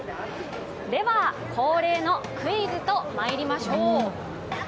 では恒例のクイズとまいりましょう！